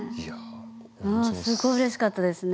すごいうれしかったですね。